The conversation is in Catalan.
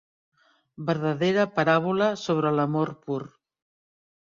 Verdadera paràbola sobre l'amor pur.